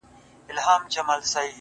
مُلا سړی سو. اوس پر لاره د آدم راغلی.